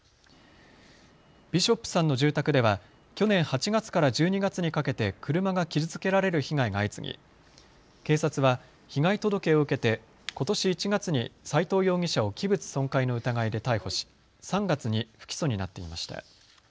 ビショップさんの住宅では去年８月から１２月にかけて車が傷つけられる被害が相次ぎ警察は被害届を受けてことし１月に斎藤容疑者を器物損壊の疑いで逮捕し３月に不起訴になっていました。